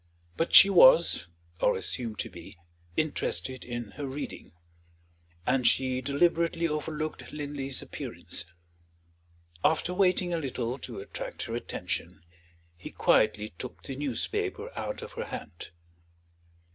But she was, or assumed to be, interested in her reading; and she deliberately overlooked Linley's appearance. After waiting a little to attract her attention, he quietly took the newspaper out of her hand.